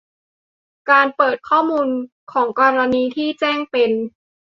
การเปิดข้อมูลของกรณีที่แจ้งเป็น